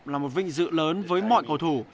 là một vinh dự lớn với mọi cầu thủ